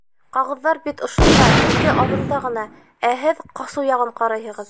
Ҡағыҙҙар бит ошонда, ике аҙымда ғына, ә һеҙ ҡасыу яғын ҡарайһығыҙ.